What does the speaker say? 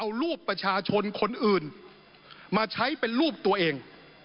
เอารูปประชาชนคนอื่นมาใช้เป็นรูปตัวเอง